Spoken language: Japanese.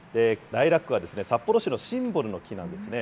ライラックは札幌市のシンボルの木なんですね。